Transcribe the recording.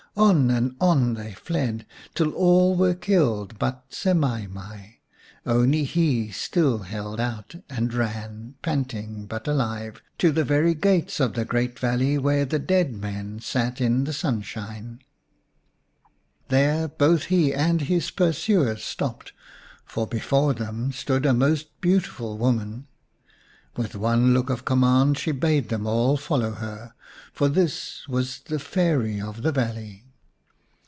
On and on they fled, till all were killed but Semai mai. Only he still held out, and ran, panting but alive, to the very gates of the great valley where the dead men sat in the sunshine. 166 xiv The Story of Semai mai There both he and his pursuers stopped, for before them stood a most beautiful woman. With one look of command she bade them all follow her, for this was the Fairy of the valley.